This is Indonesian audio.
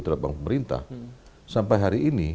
terhadap bank pemerintah sampai hari ini